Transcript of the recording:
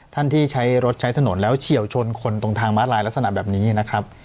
ที่ใช้รถใช้ถนนแล้วเฉียวชนคนตรงทางม้าลายลักษณะแบบนี้นะครับ